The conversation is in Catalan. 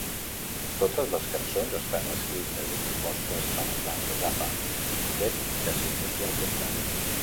Totes les cançons estan escrites i compostes per Frank Zappa, tret que s'indiqui el contrari.